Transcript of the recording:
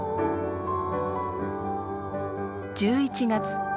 １１月。